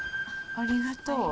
ありがとう。